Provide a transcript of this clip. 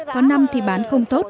có năm thì bán không tốt